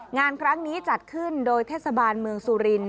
งานครั้งนี้จัดขึ้นโดยเทศบาลเมืองสุรินท